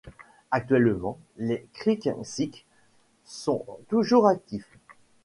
Actuellement, les Crick-Sicks sont toujours actifs.